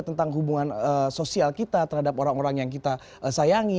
tentang hubungan sosial kita terhadap orang orang yang kita sayangi